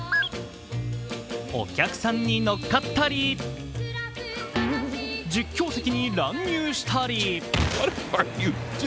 お客さんに乗っかったり、実況席に乱入したり。